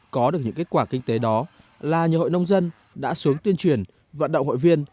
có được những kết quả kinh tế đó là nhiều hội nông dân đã xuống tuyên truyền vận động hội viên